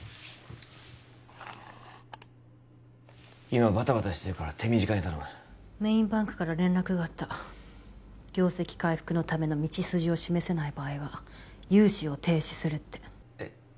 今バタバタしてるから手短に頼むメインバンクから連絡があった業績回復のための道筋を示せない場合は融資を停止するってえっ？